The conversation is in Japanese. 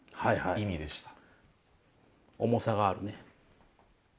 重さがあるね。